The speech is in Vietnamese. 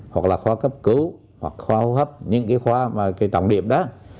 hoặc là khoa cấp cứu hoặc khoa hô hấp những cái khoa mà cái trọng điểm đó